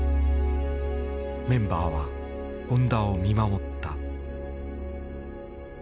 メンバーは本多を見守った。